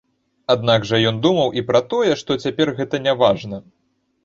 Аднак жа ён думаў і пра тое, што цяпер гэта няважна.